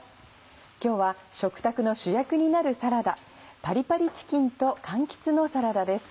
今日は食卓の主役になるサラダ「パリパリチキンと柑橘のサラダ」です。